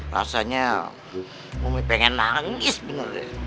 rasanya umi pengen nangis bener deh